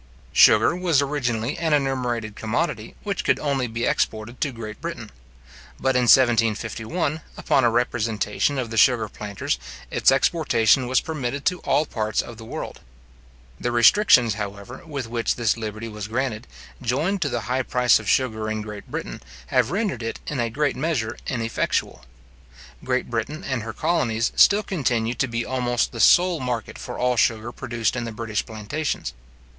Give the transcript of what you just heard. Sugar was originally an enumerated commodity, which could only be exported to Great Britain; but in 1751, upon a representation of the sugar planters, its exportation was permitted to all parts of the world. The restrictions, however, with which this liberty was granted, joined to the high price of sugar in Great Britain, have rendered it in a great measure ineffectual. Great Britain and her colonies still continue to be almost the sole market for all sugar produced in the British plantations.